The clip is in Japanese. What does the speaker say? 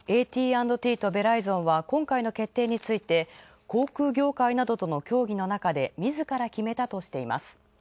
ＡＴ＆Ｔとベライゾンは今回の決定について航空業界などの協議の中で自ら決めたとしています。